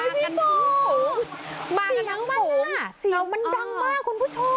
สีมันดังมากคุณผู้ชม